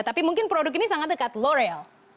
tapi mungkin produk ini sangat dekat loreal